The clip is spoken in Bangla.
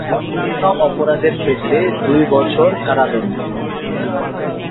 অন্যান্য অপরাধের ক্ষেত্রে দুই বছর কারাদণ্ড।